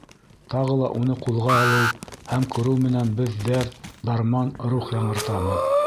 Шуға ла уны ҡулға алыу һәм күреү менән беҙ дәрт, дарман, рух яңыртабыҙ.